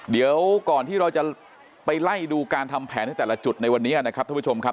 เดี๋ยวก่อนที่เราจะไปไล่ดูการทำแผนให้แต่ละจุดในวันนี้นะครับท่านผู้ชมครับ